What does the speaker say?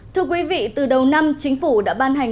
thưa quý vị từ đầu năm chính phủ đã ban hành